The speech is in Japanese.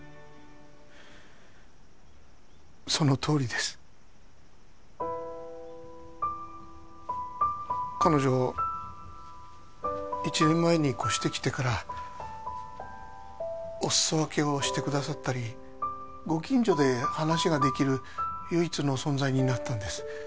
そのとおりです彼女１年前に越してきてからお裾分けをしてくださったりご近所で話ができる唯一の存在になったんです